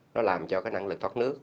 nó làm cho cái năng lực thoát nước